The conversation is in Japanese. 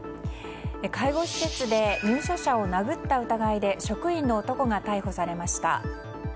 介護施設で入所者を殴った疑いで職員の男が逮捕されました。